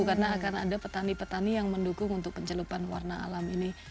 karena akan ada petani petani yang mendukung untuk pencelupan warna alam ini